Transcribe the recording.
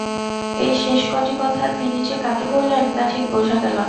এই শেষ কটি কথা তিনি যে কাকে বললেন তা ঠিক বোঝা গেল না।